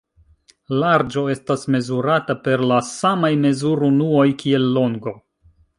Larĝo estas mezurata per la samaj mezurunuoj kiel longo.